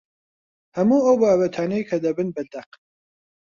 هەموو ئەو بابەتانەی کە دەبن بە دەق